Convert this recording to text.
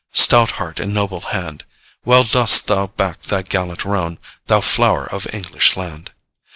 Stout heart, and noble hand! Well dost thou back thy gallant roan, Thou flower of English land.'